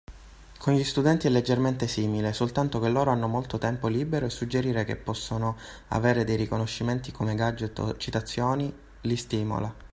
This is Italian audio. Con gli studenti è leggermente simile, soltanto che loro hanno molto tempo libero e suggerire che possono avere dei riconoscimenti come gadget o citazioni li stimola.